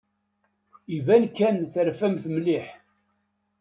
Iban kan terfamt mliḥ.